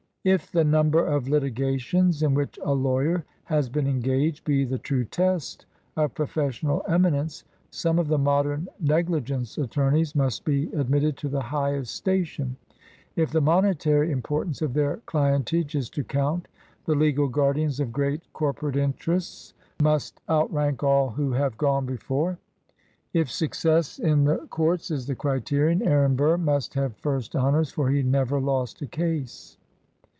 If the number of litigations in which a lawyer has been engaged be the true test of professional eminence, some of the modern "negligence attorneys" must be ad mitted to the highest station ; if the monetary im portance of their clientage is to count, the legal guardians of great corporate interests must out rank all who have gone before; if success in the 32 LEGAL APPRENTICESHIP courts is the criterion, Aaron Burr must have first honors, for he never lost a case.